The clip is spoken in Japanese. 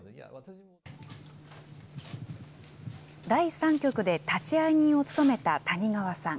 第３局で立会人を務めた谷川さん。